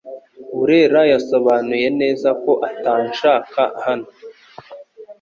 Burera yasobanuye neza ko atanshaka hano